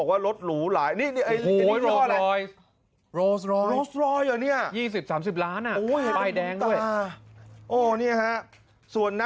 อาจารย์เบนส์นะ